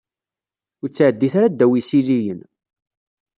Ur ttɛeddit ara ddaw yisiliyen.